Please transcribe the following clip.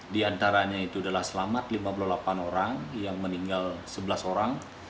di antaranya itu adalah selamat lima puluh delapan orang yang meninggal sebelas orang